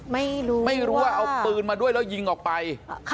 ไม่รู้ว่าเอาปืนมาด้วยแล้วยิงออกไป